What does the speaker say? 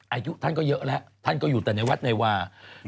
อายุท่านก็เยอะแล้วท่านก็อยู่แต่ในวัดในวา